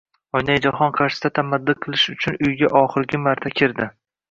Oynai jahon qarshisida tamaddi qilish uchun uyga oxirgi marta kirdi.